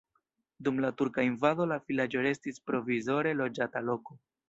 Dum la turka invado la vilaĝo restis provizore loĝata loko.